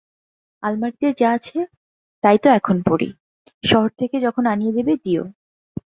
আলমারিতে যা আছে তাই তো এখন পড়ি, শহর থেকে যখন আনিয়ে দেবে দিও!